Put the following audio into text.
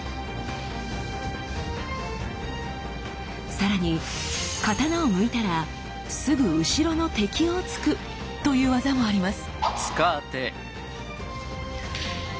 さらに刀を抜いたらすぐ後ろの敵を突くという業もあります。